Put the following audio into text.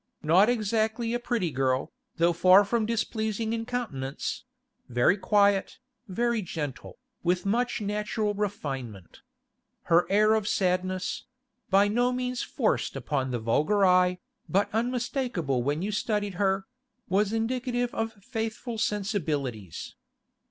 Not exactly a pretty girl, though far from displeasing in countenance; very quiet, very gentle, with much natural refinement. Her air of sadness—by no means forced upon the vulgar eye, but unmistakable when you studied her—was indicative of faithful sensibilities.